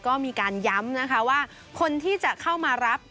ก็มีการย้ำนะคะว่าคนที่จะเข้ามารับ